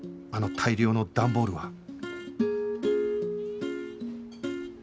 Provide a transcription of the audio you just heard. あの大量のダンボールは